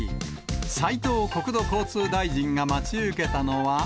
斉藤国土交通大臣が待ち受けたのは。